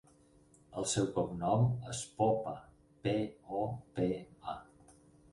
El seu cognom és Popa: pe, o, pe, a.